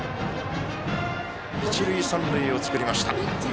一塁三塁を作りました。